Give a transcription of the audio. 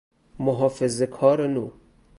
محافظه کار نو